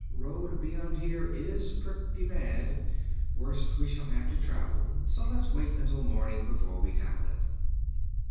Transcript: Road beyond here is pretty bad; worst we shall have to travel; so let's wait until morning before we tackle it."